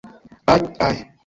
Aj, aj!